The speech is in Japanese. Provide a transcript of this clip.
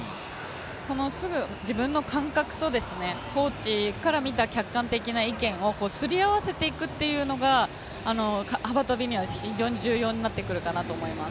すぐ自分の感覚とコーチから見た客観的な意見をすりあわせていくっていうのが幅跳びには非常に重要になってくるかなと思います。